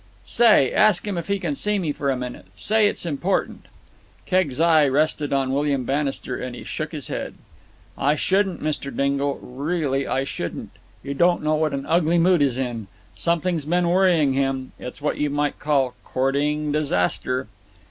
"Say, ask him if he can see me for a minute. Say it is important." Keggs' eye rested on William Bannister, and he shook his head. "I shouldn't, Mr. Dingle. Really I shouldn't. You don't know what an ugly mood he's in. Something's been worrying him. It's what you might call courting disaster."